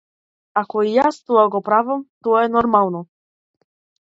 Ако и јас тоа го правам, тоа е нормално.